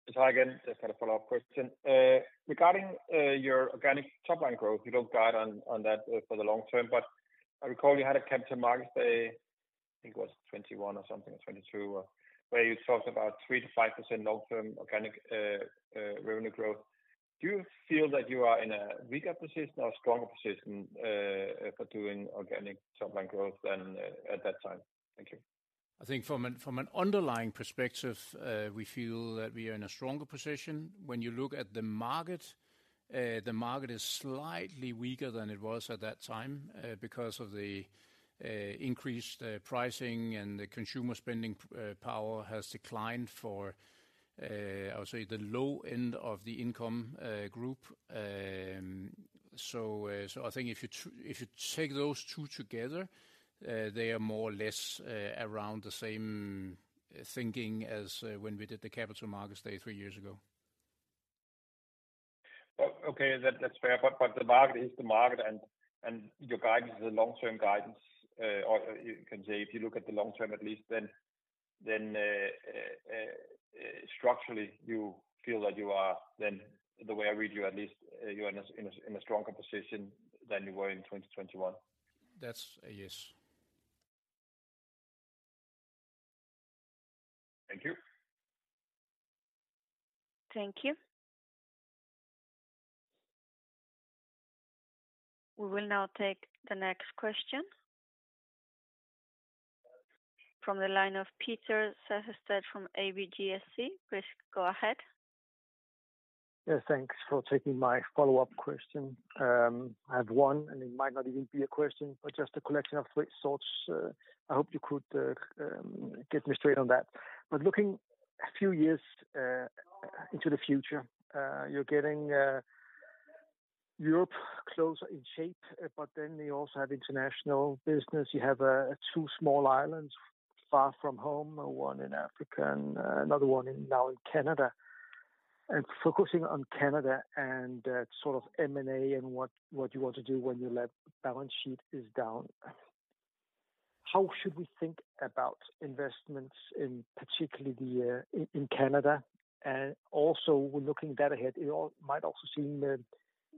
Just hi again. Just had a follow-up question. Regarding your organic top-line growth, you don't guide on that for the long term, but I recall you had a Capital Markets Day, I think it was 2021 or something or 2022, where you talked about 3%-5% long-term organic revenue growth. Do you feel that you are in a weaker position or a stronger position for doing organic top-line growth than at that time? Thank you. I think from an underlying perspective, we feel that we are in a stronger position. When you look at the market, the market is slightly weaker than it was at that time because of the increased pricing, and the consumer spending power has declined for, I would say, the low end of the income group. So I think if you take those two together, they are more or less around the same thinking as when we did the Capital Markets Day three years ago. Okay. That's fair. But the market is the market, and your guidance is a long-term guidance. Or you can say if you look at the long term at least, then structurally, you feel that you are then the way I read you, at least, you are in a stronger position than you were in 2021. That's a yes. Thank you. Thank you. We will now take the next question from the line of Peter Sehested from ABGSC. Chris, go ahead. Yes. Thanks for taking my follow-up question. I have one, and it might not even be a question, but just a collection of three sorts. I hope you could get me straight on that. But looking a few years into the future, you're getting Europe closer in shape, but then you also have international business. You have two small islands far from home, one in Africa and another one now in Canada. And focusing on Canada and sort of M&A and what you want to do when your balance sheet is down, how should we think about investments in particularly Canada? And also, looking that ahead, it might also seem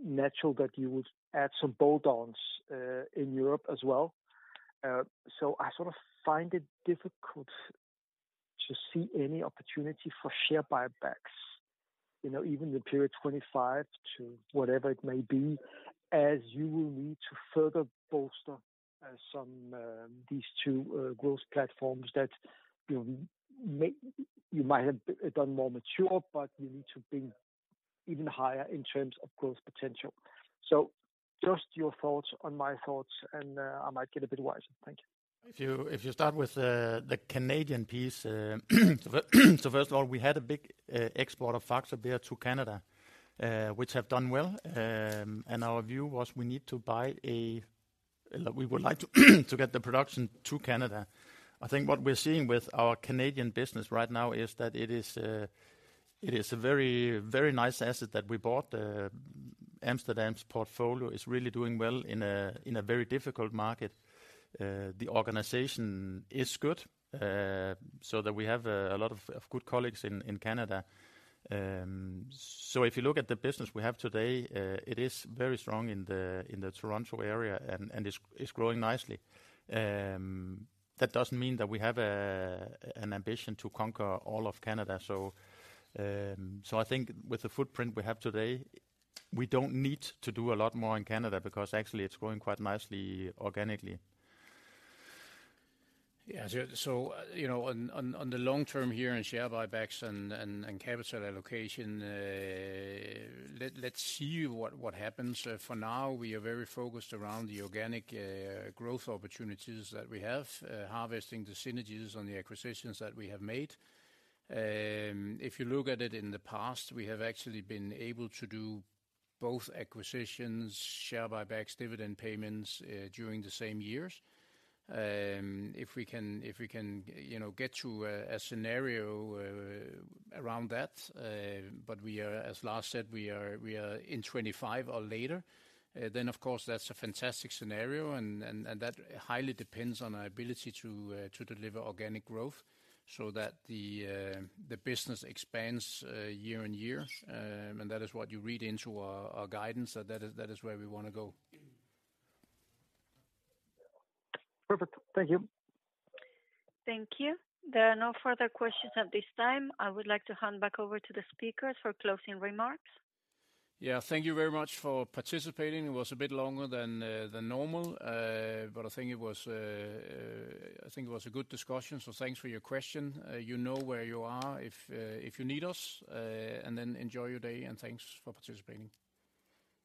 natural that you would add some bolt-ons in Europe as well. So I sort of find it difficult to see any opportunity for share buybacks, even the period 2025 to whatever it may be, as you will need to further bolster some of these two growth platforms that you might have done more mature, but you need to be even higher in terms of growth potential. So just your thoughts on my thoughts, and I might get a bit wiser. Thank you. If you start with the Canadian piece, so first of all, we had a big export of Faxe beer to Canada, which have done well. And our view was we need to buy a we would like to get the production to Canada. I think what we're seeing with our Canadian business right now is that it is a very nice asset that we bought. Amsterdam's portfolio is really doing well in a very difficult market. The organization is good so that we have a lot of good colleagues in Canada. So if you look at the business we have today, it is very strong in the Toronto area and is growing nicely. That doesn't mean that we have an ambition to conquer all of Canada. I think with the footprint we have today, we don't need to do a lot more in Canada because actually, it's growing quite nicely organically. Yeah. So on the long term here in share buybacks and capital allocation, let's see what happens. For now, we are very focused around the organic growth opportunities that we have, harvesting the synergies on the acquisitions that we have made. If you look at it in the past, we have actually been able to do both acquisitions, share buybacks, dividend payments during the same years. If we can get to a scenario around that, but as Lars said, we are in 2025 or later, then, of course, that's a fantastic scenario. And that highly depends on our ability to deliver organic growth so that the business expands year on year. And that is what you read into our guidance, that is where we want to go. Perfect. Thank you. Thank you. There are no further questions at this time. I would like to hand back over to the speakers for closing remarks. Yeah. Thank you very much for participating. It was a bit longer than normal, but I think it was a good discussion. So thanks for your question. You know where you are if you need us. Then enjoy your day, and thanks for participating.